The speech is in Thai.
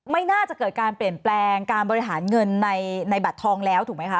ไม่น่าจะเกิดการเปลี่ยนแปลงการบริหารเงินในบัตรทองแล้วถูกไหมคะ